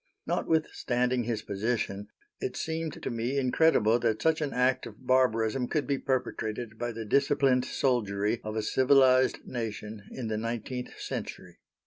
Notwithstanding his position, it seemed to me incredible that such an act of barbarism could be perpetrated by the disciplined soldiery of a civilized nation in the nineteenth century.